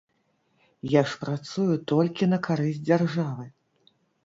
Я ж працую толькі на карысць дзяржавы.